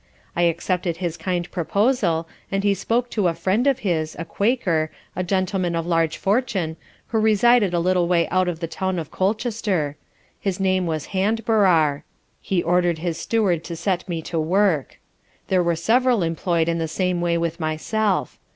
I accepted his kind proposal, and he spoke to a friend of his, a Quaker, a gentleman of large fortune, who resided a little way out of the town of Colchester, his name was Handbarar; he ordered his steward to set me to work. There were several employed in the same way with myself.